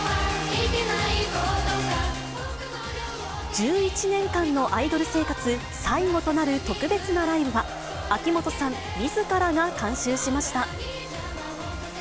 １１年間のアイドル生活最後となる特別なライブは、秋元さんみずからが監修しました。